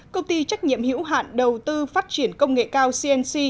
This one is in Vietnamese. công ty trách nhiệm hữu hạn đầu tư phát triển công nghệ cao cnc